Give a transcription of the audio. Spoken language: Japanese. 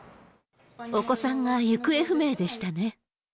お子さんが行方不明でしたね。